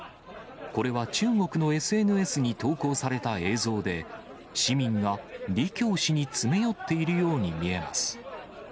これは中国のＳＮＳに投稿された映像で、市民が李強氏に詰め寄っているように見えます。